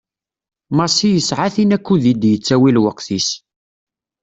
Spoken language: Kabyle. Massi yesɛa tin ukkud i d-yettawi lweqt-is.